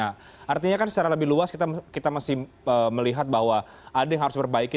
artinya kan secara lebih luas kita masih melihat bahwa ada yang harus diperbaiki